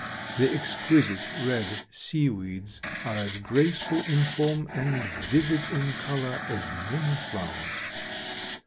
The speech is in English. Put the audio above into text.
The exquisite red seaweeds are as graceful in form and vivid in color as many flowers.